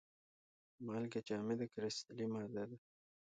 مالګه جامده کرستلي ماده ده.